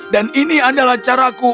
dan ini adalah cara kubuat